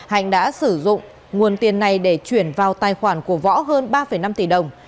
hạnh đã sử dụng nguồn tiền này để chuyển vào tài khoản của võ hơn ba năm tỷ đồng